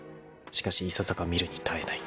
［しかしいささか見るに耐えない］